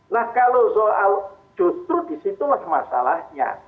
nah kalau soal justru disitulah masalahnya